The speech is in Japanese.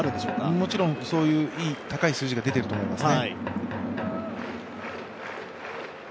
もちろんそういう高い数字が出ていると思いますね。